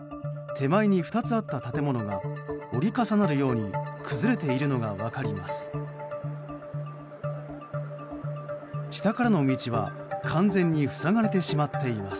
手前に２つあった建物が折り重なるように崩れているのが分かります。